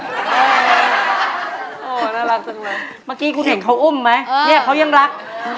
น่ารักจังเลยเมื่อกี้คุณเห็นเขาอุ้มไหมเนี่ยเขายังรัก